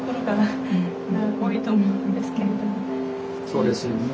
そうですよね。